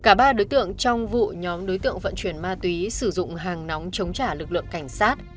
cả ba đối tượng trong vụ nhóm đối tượng vận chuyển ma túy sử dụng hàng nóng chống trả lực lượng cảnh sát